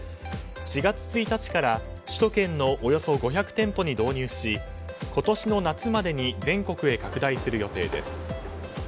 ４月１日から首都圏のおよそ５００店舗に導入し今年の夏までに全国へ拡大する予定です。